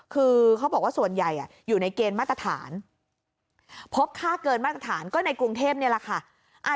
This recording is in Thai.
คือเขาบอกว่าส่วนใหญ่อยู่ในเกณฑ์มาตรฐานพบค่าเกินมาตรฐานก็ในกรุงเทพนี่แหละค่ะ